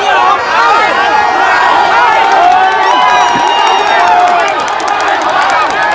สวัสดีครับ